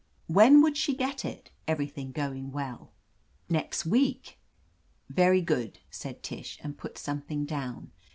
"When would she get it, everything going weU?" "Next week." "Very good," said Tish, and put something down.